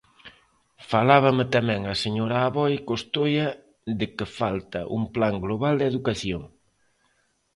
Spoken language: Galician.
Falábame tamén a señora Aboi Costoia de que falta un plan global de educación.